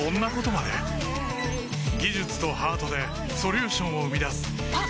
技術とハートでソリューションを生み出すあっ！